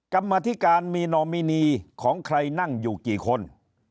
กรรมธิการมีนอมินีของใครนั่งอยู่กี่คน